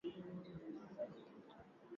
Kuzungumza na mimi itakuletea maadui.